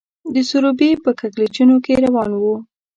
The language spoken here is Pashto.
د سروبي په کږلېچونو کې روان وو.